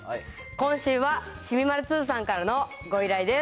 今週はしみまるツーさんからのご依頼です。